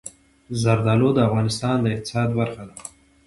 زردالو د افغانستان د اقتصاد برخه ده.